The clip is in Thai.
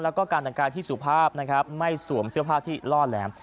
และการจัดการที่สูงภาพไม่สวมเสี่ยวภาพที่ร่อแหลม